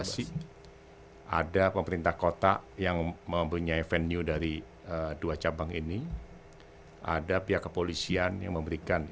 semua orang mempunyai kepentingan